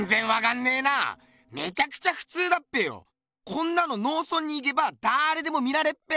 こんなの農村に行けばだれでも見られっぺ！